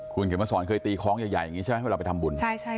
คุณเกมสรเคยตีค้องใหญ่ใช่ไหมเวลาไปทำบุญ